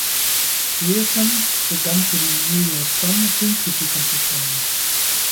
Grierson begann für die "New York Sun" Filmkritiken zu schreiben.